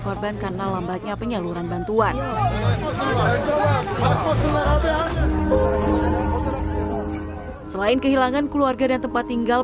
korban karena lambatnya penyaluran bantuan selain kehilangan keluarga dan tempat tinggal